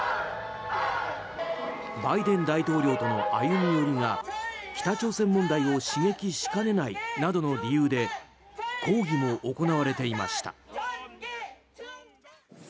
バイデン大統領との歩み寄りが北朝鮮問題を刺激しかねないなどの理由で抗議も行われていました。